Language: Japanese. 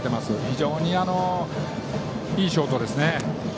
非常にいいショートですね。